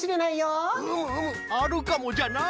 うむうむあるかもじゃな！